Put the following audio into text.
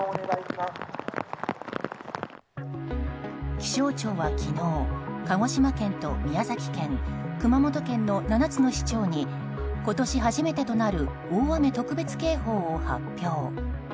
気象庁は昨日、鹿児島県と宮崎県、熊本県の７つの市町に今年初めてとなる大雨特別警報を発表。